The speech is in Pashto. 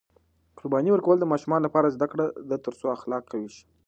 قرباني ورکول د ماشومانو لپاره زده کړه ده ترڅو اخلاق قوي شي.